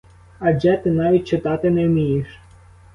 Адже ти навіть читати не вмієш!